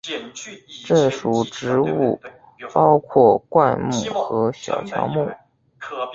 这属植物包括灌木和小乔木。